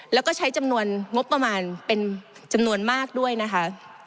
แล้วก็ใช้จำนวนงบประมาณเป็นจำนวนมากด้วยนะคะ